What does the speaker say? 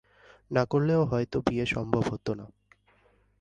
না করলেও হয়তো বিয়ে সম্ভব হত না।